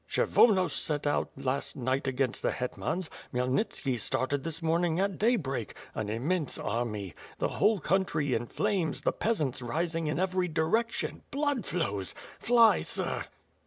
Kshevonos set out last night against the hetmans; Khmyelnitski started ihis morning at daybreak. An im mense army. The whole country in flames, the peasants ris ing in every direction, blood flows! Fly, sir!"